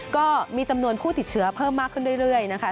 ก็มีจำนวนผู้ติดเชื้อเพิ่มมากขึ้นเรื่อยนะคะ